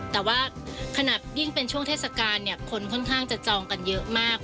แต่ว่ายิ่งขนาดเป็นช่วงเทศกรรมคนค่อนข้างจะจองเยอะมาก